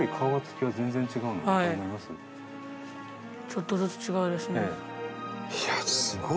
ちょっとずつ違うんですね。